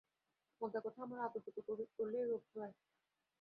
মোদ্দা কথা, আমার আতুপুতু করলেই রোগ হয়।